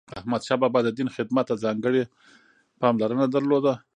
احمدشاه بابا د دین خدمت ته ځانګړی پاملرنه درلوده.